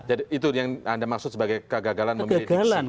jadi itu yang anda maksud sebagai kegagalan memilih diksi